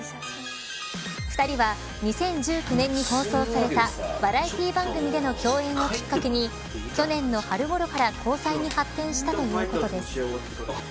２人は２０１９年に放送されたバラエティー番組での共演をきっかけに去年の春ごろから交際に発展したということです。